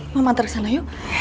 mam antar kesana yuk